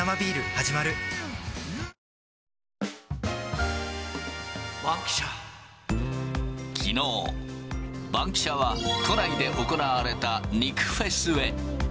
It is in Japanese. はじまるきのう、バンキシャは都内で行われた肉フェスへ。